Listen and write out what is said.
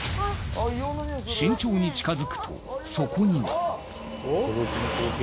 慎重に近づくとそこには。